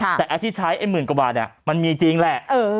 แต่ไอ้ที่ใช้ไอ้หมื่นกว่าบาทมันมีจริงแหละ